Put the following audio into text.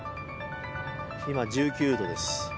今、１９度です。